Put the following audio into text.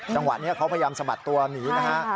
จังหวะนี้เขาพยายามสะบัดตัวหมีนะฮะ